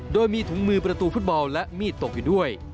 โดยมีถุงมือประตูฟุตบอลและมีดตกอยู่ด้วย